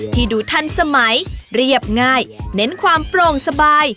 ดูทันสมัยเรียบง่ายเน้นความโปร่งสบาย